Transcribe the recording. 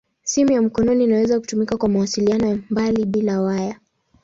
Simu ya mkononi inaweza kutumika kwa mawasiliano ya mbali bila waya.